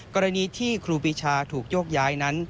กรณีที่ครูปีชาถูกโยกย้ายนั้น